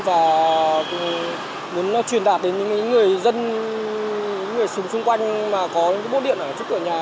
và muốn truyền đạt đến những người dân những người xung quanh mà có bốt điện ở trước cửa nhà